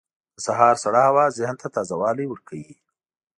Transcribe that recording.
• د سهار سړه هوا ذهن ته تازه والی ورکوي.